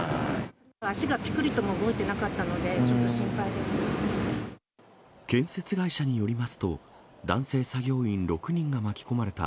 足がぴくりとも動いてなかっ建設会社によりますと、男性作業員６人が巻き込まれた